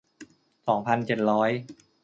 สองพันเจ็ดร้อย